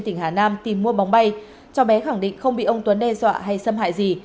tỉnh hà nam tìm mua bóng bay cho bé khẳng định không bị ông tuấn đe dọa hay xâm hại gì